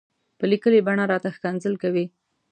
په ليکلې بڼه راته ښکنځل کوي.